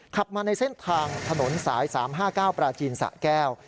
ขับมาในเส้นทางถนนสาย๓๕๙ปราจีนสะแก้ว